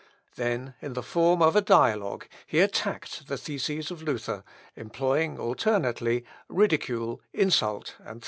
" Then, in the form of a dialogue, he attacked the theses of Luther, employing alternately, ridicule, insult, and threatening.